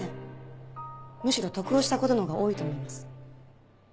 むしろ得をした事のほうが多いと思います。